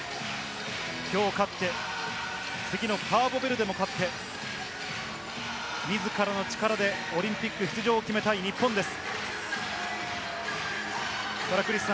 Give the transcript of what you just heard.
きょう勝って次のカーボベルデで勝って、自らの力でオリンピック出場を決めたい日本です。